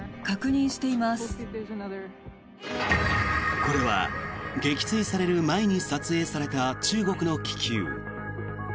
これは撃墜される前に撮影された中国の気球。